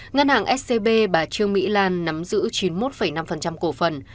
ngân hàng scb bà trương mỹ lan nắm giữ chín mươi một năm cổ phần